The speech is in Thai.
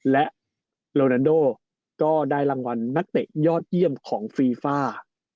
และโลนันโดก็ได้รางวัลนักเตะยอดเยี่ยมของฟีฟ่า